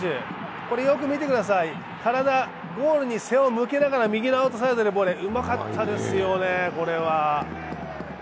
これ、よく見てください、体ゴールに背を向けながら右のアウトサイドうまかったですよね、これは。